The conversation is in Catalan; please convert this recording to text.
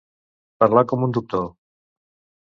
Parlar com un doctor.